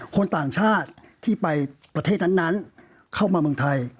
คนต่างชาติที่ไปประเทศนั้นเข้ามาเมืองไทย